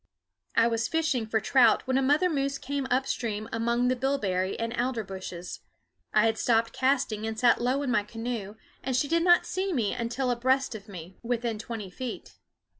I was fishing for trout when a mother moose came up stream among the bilberry and alder bushes. I had stopped casting and sat low in my canoe, and she did not see me until abreast of me, within twenty feet.